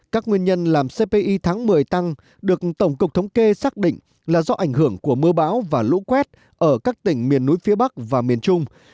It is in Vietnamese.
các nguyên nhân làm cpi tháng một mươi tăng được tổng cục thống kê xác định là do ảnh hưởng của mưa bão và lũ quét ở các tỉnh miền trung